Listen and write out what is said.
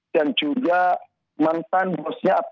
dan juga mantan bosnya